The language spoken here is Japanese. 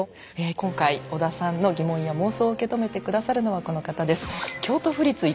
今回織田さんの疑問や妄想を受け止めて下さるのはこの方です。